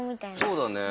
そうだね。